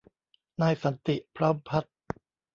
นายสันติ พร้อมพัฒน์